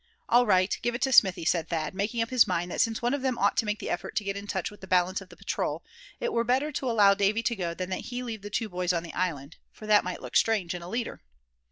"All right, give it to Smithy," said Thad; making up his mind that since one of them ought to make the effort to get in touch with the balance of the patrol, it were better to allow Davy to go than that he leave the two boys on the island; for that might look strange in a leader.